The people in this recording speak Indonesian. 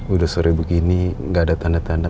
udah sore begini nggak ada tanda tanda